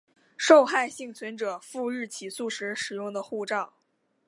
受害幸存者赴日起诉时使用的护照